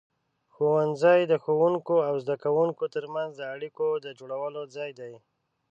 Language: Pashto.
ښوونځی د ښوونکو او زده کوونکو ترمنځ د اړیکو د جوړولو ځای دی.